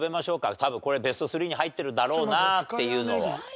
多分これベスト３に入ってるだろうなっていうのを。